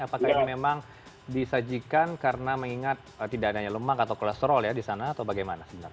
apakah ini memang disajikan karena mengingat tidak adanya lemak atau kolesterol ya di sana atau bagaimana sebenarnya